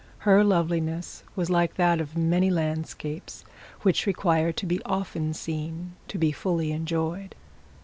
Her loveliness was like that of many landscapes, which require to be often seen to be fully enjoyed.